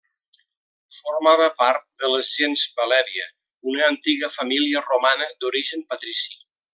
Formava part de la gens Valèria, una antiga família romana d'origen patrici.